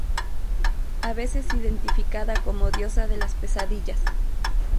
A veces identificada como diosa de las pesadillas.